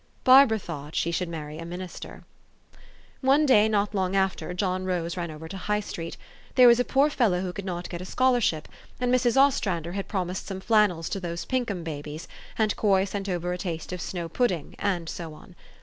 Barbara thought she should marry a minister. One day not long after, John Rose ran over to High Street. There was a poor fellow who could not get a scholarship ; and Mrs. Ostrander had promised some flannels to those Pinkham babies ; and Coy sent over a taste of snow pudding ; and so on.